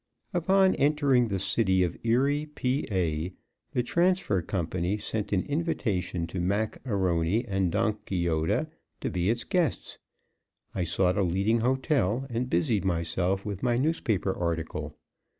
Upon entering the city of Erie, Pa., the Transfer Company sent an invitation to Mac A'Rony and Donkeyota to be its guests; I sought a leading hotel, and busied myself with my newspaper article.